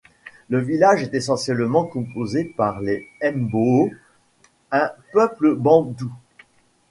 Le village est essentiellement composé par les Mbo'o, un peuple bantou.